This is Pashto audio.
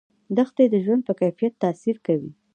دښتې د ژوند په کیفیت تاثیر کوي.